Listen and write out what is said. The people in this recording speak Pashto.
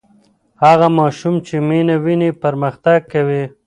هغه ماشوم چې مینه ویني پرمختګ کوي.